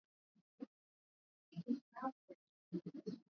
Wewe ni Mungu mpasua bahari